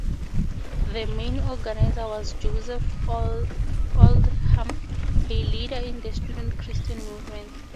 The main organiser was Joseph Oldham, a leader in the Student Christian Movement.